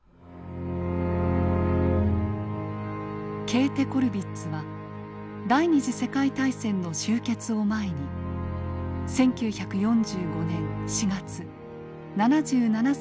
ケーテ・コルヴィッツは第二次世界大戦の終結を前に１９４５年４月７７歳で亡くなります。